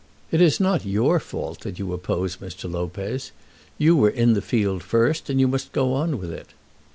It is not your fault that you oppose Mr. Lopez. You were in the field first, and you must go on with it."